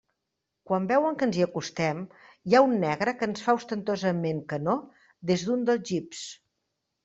Quan veuen que ens hi acostem, hi ha un negre que ens fa ostentosament que no des d'un dels jeeps.